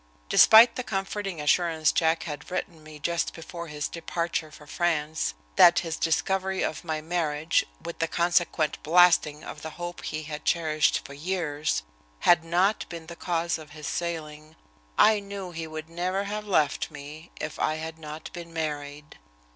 Despite the comforting assurance Jack had written me, just before his departure for France, that his discovery of my marriage, with the consequent blasting of the hope he had cherished for years, had not been the cause of his sailing, I knew he would never have left me if I had not been married.